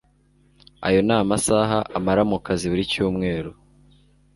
ayo ni amasaha amara mu kazi buri cyumweru